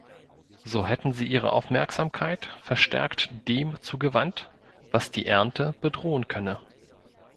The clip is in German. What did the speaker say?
So hätten sie ihre Aufmerksamkeit verstärkt dem zugewandt, was die Ernte bedrohen könne.